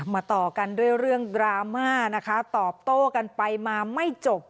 ต่อกันด้วยเรื่องดราม่านะคะตอบโต้กันไปมาไม่จบ